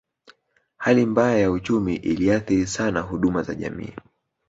Hali mbaya ya uchumi iliathiri sana huduma za jamii